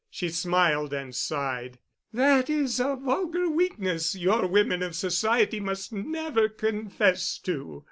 She smiled and sighed. "That is a vulgar weakness your woman of society must never confess to.